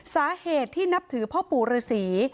สาเหตุที่นับถือพ่อปู่ฤษี